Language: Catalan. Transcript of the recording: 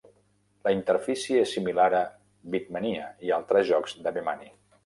La interfície és similar a "beatmania" i altres jocs de Bemani.